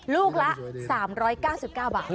ลูกละ๓๙๙บาท